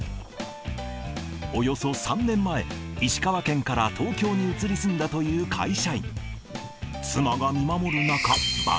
およそ３年前、石川県から東京に移り住んだという会社員。